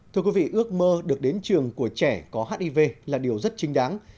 thưa quý vị ước mơ được đến trường của trẻ có hiv là điều rất chính đáng